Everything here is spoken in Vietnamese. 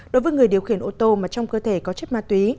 đối với người điều khiển ô tô mà trong cơ thể có chất ma túy